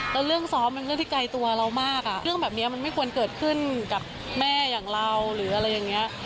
แล้วเรื่องซ้อมเป็นเรื่องที่ไกลตัวเรามากอ่ะเรื่องแบบนี้มันไม่ควรเกิดขึ้นกับแม่อย่างเราหรืออะไรอย่างนี้